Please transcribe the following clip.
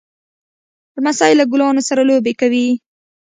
لمسی له ګلانو سره لوبې کوي.